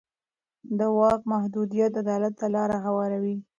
د واک محدودیت عدالت ته لاره هواروي